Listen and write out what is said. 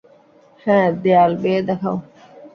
হ্যাঁ, দেয়াল বেয়ে দেখাও।